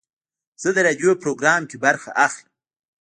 زه د راډیو پروګرام کې برخه اخلم.